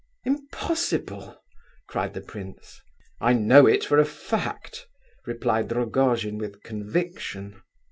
"Impossible!" cried the prince. "I know it for a fact," replied Rogojin, with conviction.